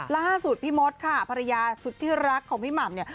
ล่าสุดพี่มดค่ะภรรยาสุดที่รักของพี่หม่ำเนี่ย